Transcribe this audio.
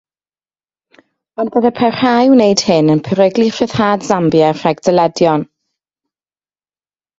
Ond byddai parhau i wneud hyn yn peryglu rhyddhad Zambia rhag dyledion.